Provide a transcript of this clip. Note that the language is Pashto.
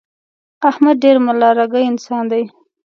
احمد ډېر ملا رګی انسان دی.